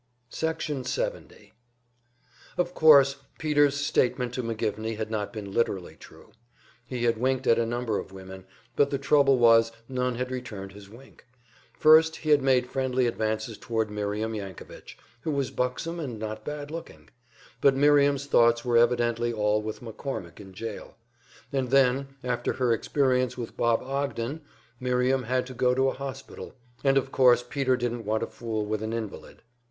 Section 70 Of course Peter's statement to McGivney had not been literally true. He had winked at a number of women, but the trouble was none had returned his wink. First he had made friendly advances toward Miriam Yankovich, who was buxom and not bad looking; but Miriam's thoughts were evidently all with McCormick in jail; and then, after her experience with Bob Ogden, Miriam had to go to a hospital, and of course Peter didn't want to fool with an invalid.